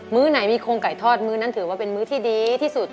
ื้อไหนมีโครงไก่ทอดมื้อนั้นถือว่าเป็นมื้อที่ดีที่สุด